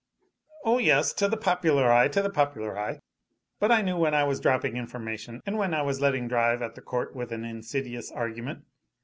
"Oh, yes, to the popular eye, to the popular eye but I knew when I was dropping information and when I was letting drive at the court with an insidious argument.